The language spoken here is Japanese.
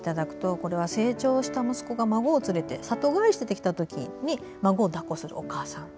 これは成長した息子が孫を連れて里帰りしてきたときの孫をだっこするお母さん。